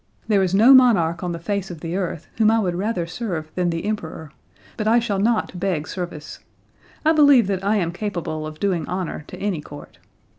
There is no monarch on the face of the earth whom I would rather serve than the Emperor, but I shall not beg service. I believe that I am capable of doing honor to any court.